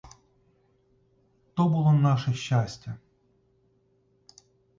То було наше нещастя.